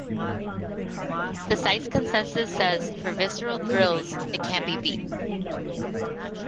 The site's consensus says, For visceral thrills, it can't be beat.